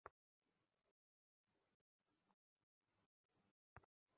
সহসা দেখিলেন বিভা চুপ করিয়া বসিয়া কাঁদিতেছে।